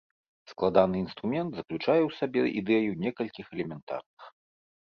Складаны інструмент заключае ў сабе ідэю некалькіх элементарных.